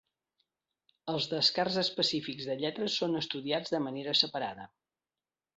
Els descarts específics de lletres són estudiats de manera separada.